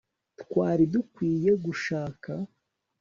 twari dukwiye gushaka